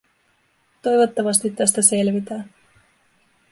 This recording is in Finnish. Toivottavasti tästä selvitään.